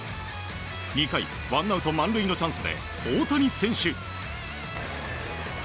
２回、ワンアウト満塁のチャンスで大谷選手。